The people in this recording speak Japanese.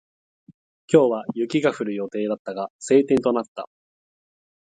今日は雪が降る予報だったが、晴天となった。